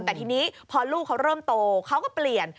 แต่ทีนี้พอลูกเขาเริ่มโตเขาก็เปลี่ยน